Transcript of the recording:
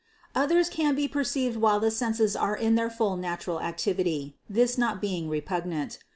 Others can be perceived while the senses are in their full natural activity, this not being repugnant.